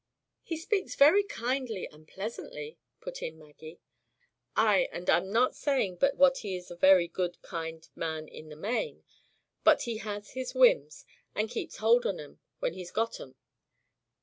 "He speaks very kindly and pleasantly," put in Maggie. "Ay; and I'm not saying but what he is a very good, kind man in the main. But he has his whims, and keeps hold on 'em when he's got 'em.